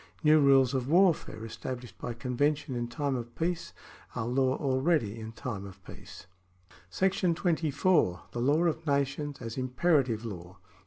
New rules of warfare estab lished by convention in time of peace are law already in time of peace. § 24. The Law of Nations as Imperative Law.